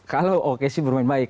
kalau oke sih bermain baik